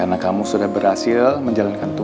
benior kamu abortion galau